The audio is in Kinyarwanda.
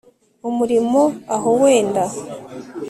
umurimo aho wenda